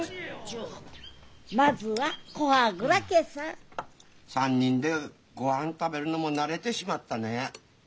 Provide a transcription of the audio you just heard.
まずは古波蔵家さぁ３人でご飯食べるのも慣れてしまったねぇ。